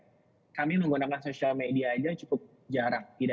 kemudian kamu baru menggunakan digital kamu baru menggunakan media kamu baru menggunakan media